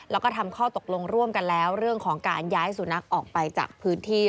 แล้วก็ทำข้อตกลงร่วมกันแล้วเรื่องของการย้ายสุนัขออกไปจากพื้นที่